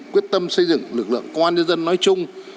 quyết tâm xây dựng lực lượng công an nhân dân nói chung